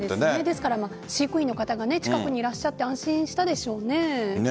ですから飼育員の方が近くにいらっしゃって安心したでしょうね。